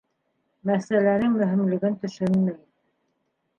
Мәсьәләнең мөһимлеген төшөнмәй.